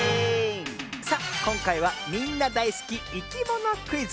さあこんかいはみんなだいすきいきものクイズ。